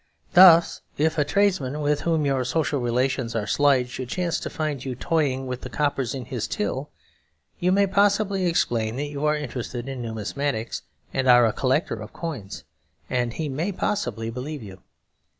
Thus if a tradesman, with whom your social relations are slight, should chance to find you toying with the coppers in his till, you may possibly explain that you are interested in Numismatics and are a Collector of Coins; and he may possibly believe you.